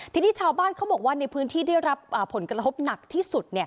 ทีนี้ชาวบ้านเขาบอกว่าในพื้นที่ได้รับผลกระทบหนักที่สุด